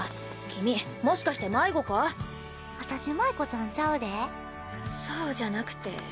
君もしかして私マイコちゃんちゃうでそうじゃなくて。